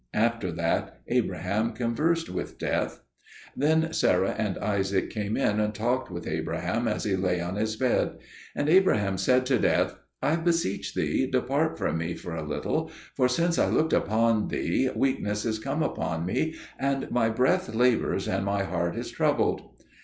After that Abraham conversed with Death. Then Sarah and Isaac came in and talked with Abraham as he lay on his bed. And Abraham said to Death, "I beseech thee, depart from me for a little, for since I looked upon thee weakness is come upon me, and my breath labours and my heart is troubled."